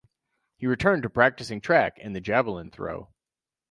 He returned to practicing track and the javelin throw.